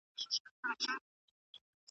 لا خو دي ډکه ده لمن له مېړنو زامنو .